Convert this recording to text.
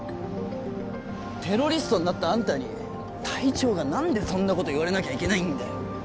テロリストになったあんたに隊長が何でそんなこと言われなきゃいけないんだよ